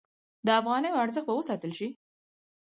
د افغانیو ارزښت به وساتل شي؟